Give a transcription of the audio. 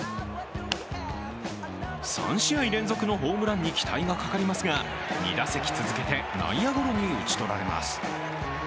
３試合連続のホームランに期待がかかりますが２打席続けて内野ゴロに打ち取られます。